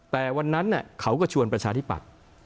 แต่วันนั้นเขาก็ชวนประชาธิปัตย์